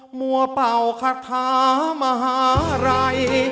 โฮมมัวเป่าคาถามหารัย